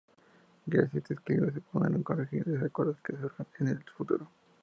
Gracias a este equilibrio se podrán corregir desacuerdos que surjan en el futuro.